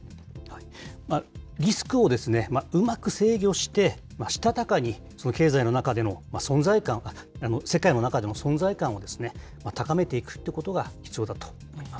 リスクをうまく制御して、したたかに経済の中での存在感、世界の中での存在感を高めていくということが必要だと思います。